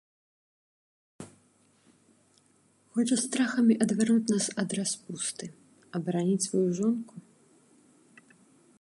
Хоча страхамі адвярнуць нас ад распусты, абараніць сваю жонку?